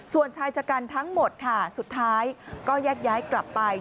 ส่วนชายชะกันทั้งหมดค่ะสุดท้ายก็แยกย้ายกลับไป